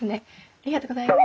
ありがとうございます。